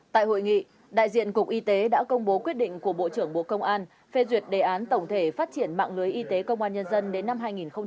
tại hội nghị đại diện cục y tế đã công bố quyết định của bộ trưởng bộ công an phê duyệt đề án tổng thể phát triển mạng lưới y tế công an nhân dân đến năm hai nghìn ba mươi